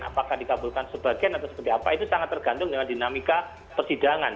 apakah dikabulkan sebagian atau seperti apa itu sangat tergantung dengan dinamika persidangan